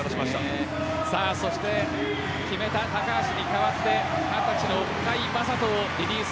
そして決めた高橋に代わって二十歳の甲斐優斗をリリーフ